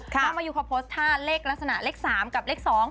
มายูเขาโพสต์ท่าเลขลักษณะเลข๓กับเลข๒